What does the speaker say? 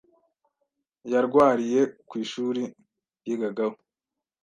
yarwariye ku ishuri yigagaho